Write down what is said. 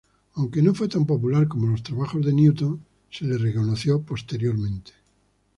Aunque no fue tan popular como los trabajos de Newton, se le reconoció posteriormente.